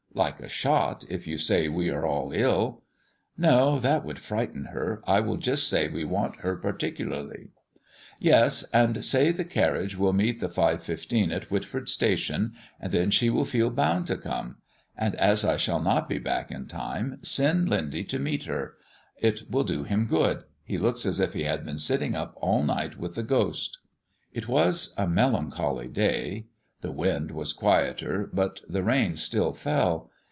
"Like a shot, if you say we are all ill." "No, that would frighten her. I will just say we want her particularly." "Yes, and say the carriage shall meet the 5.15 at Whitford station, and then she will feel bound to come. And as I shall not be back in time, send Lindy to meet her. It will do him good. He looks as if he had been sitting up all night with the ghost." It was a melancholy day. The wind was quieter, but the rain still fell.